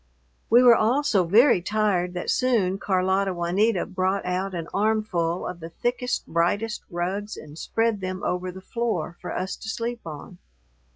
We were all so very tired that soon Carlota Juanita brought out an armful of the thickest, brightest rugs and spread them over the floor for us to sleep upon.